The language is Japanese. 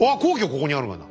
ここにあるがな。